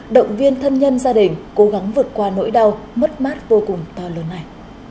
động viên thân nhân gia đình cố gắng vượt qua nỗi đau mất mát vô cùng to lớn này